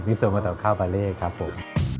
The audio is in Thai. มิโซคนว่าเราข้าวบาเลครับผม